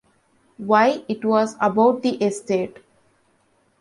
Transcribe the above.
Why, it was about the estate.